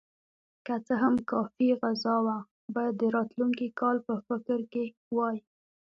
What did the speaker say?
که څه هم کافي غذا وه، باید د راتلونکي کال په فکر کې وای.